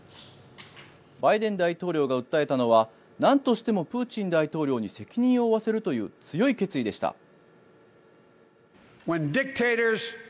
バイデン大統領が訴えたのはなんとしてもプーチン大統領に責任を負わせるという強い決意でした。